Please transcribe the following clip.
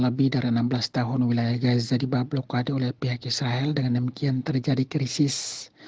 lebih dari enam belas tahun wilayah gaza dibah blokade oleh pihak israel dengan demikian terjadi krisis